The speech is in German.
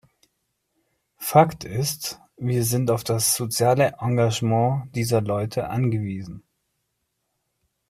Fakt ist, wir sind auf das soziale Engagement dieser Leute angewiesen.